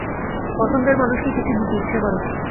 পছন্দের মানুষকে কিছু দিতে ইচ্ছে করে।